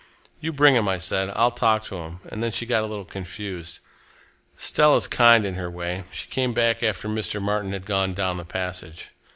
'You bring him,' I said. 'I'll talk to him.' Then she got a little confused. Stella's kind, in her way. She came back after Mr. Martin had gone down the passage.